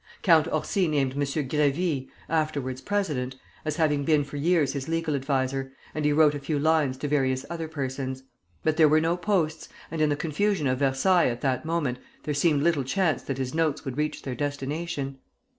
Count Orsi named M. Grévy (afterwards president) as having been for years his legal adviser, and he wrote a few lines to various other persons. But there were no posts, and in the confusion of Versailles at that moment there seemed little chance that his notes would reach their destination.